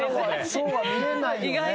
そうは見えないよね。